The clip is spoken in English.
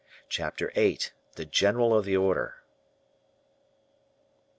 Chapter VIII. The General of the Order.